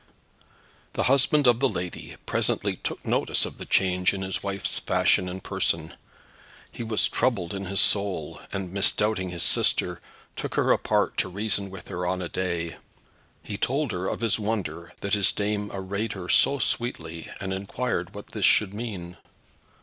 The husband of the lady presently took notice of the change in his wife's fashion and person. He was troubled in his soul, and misdoubting his sister, took her apart to reason with her on a day. He told her of his wonder that his dame arrayed her so sweetly, and inquired what this should mean.